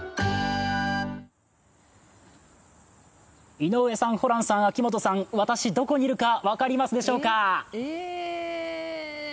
井上さん、ホランさん、秋元さん、私、どこにいるか分かりますでしょうか？